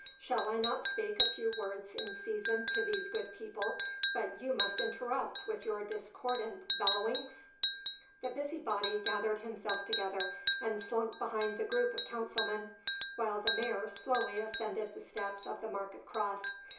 Shall I not speak a few words in season to these good people but you must interrupt with your discordant bellowings?' The busybody gathered himself together and slunk behind the group of councilmen, while the Mayor slowly ascended the steps of the market cross.